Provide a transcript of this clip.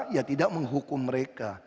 ya tidak menghukum mereka